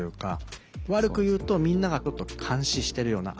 悪く言うとみんながちょっと監視してるような。